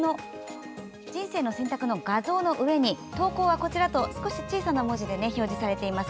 「人生の選択」の画像の上に「投稿はこちら」と小さな文字で表示されています。